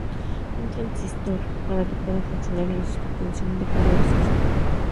Un transistor, para que pueda funcionar, necesita tensión de polarización.